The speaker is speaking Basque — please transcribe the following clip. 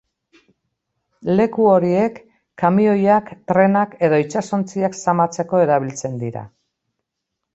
Leku horiek kamioiak, trenak edo itsasontziak zamatzeko erabiltzen dira.